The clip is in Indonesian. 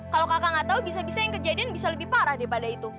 kalau kakak gak tahu bisa bisa yang kejadian bisa lebih parah daripada itu